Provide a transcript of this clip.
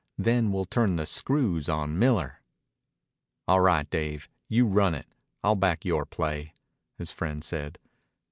Then we'll turn the screws on Miller." "All right, Dave. You run it. I'll back yore play," his friend said.